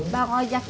bang ojak ini